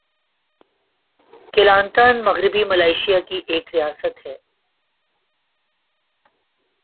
"Kelantan" مغربی Malaysia کی ایک ریاست ہے۔